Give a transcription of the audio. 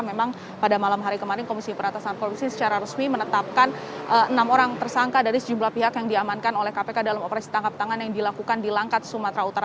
memang pada malam hari kemarin komisi peratasan korupsi secara resmi menetapkan enam orang tersangka dari sejumlah pihak yang diamankan oleh kpk dalam operasi tangkap tangan yang dilakukan di langkat sumatera utara